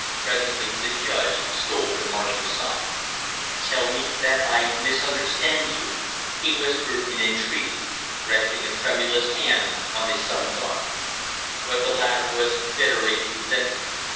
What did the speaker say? Presently the judge stole to Marshall's side. "Tell me that I misunderstand you!" he whispered in entreaty, resting a tremulous hand on his son's arm. But the latter was bitterly resentful.